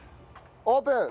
オープン！